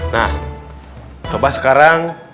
nah coba sekarang